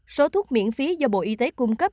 số thuốc miễn phí do bộ y tế cung cấp